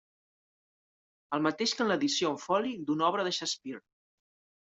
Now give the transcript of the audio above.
El mateix que en l'edició en foli d'una obra de Shakespeare.